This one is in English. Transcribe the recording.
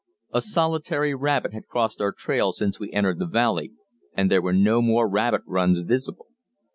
A solitary rabbit had crossed our trail since we entered the valley, and there were no more rabbit runs visible.